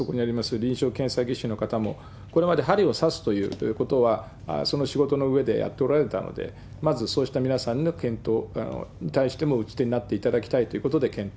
臨床検査技師の方も、これまで針を刺すということは、その仕事のうえでやっておられたので、まずそうした皆さんの検討に対しても打ち手になっていただきたい